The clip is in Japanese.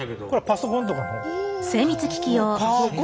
パソコンか。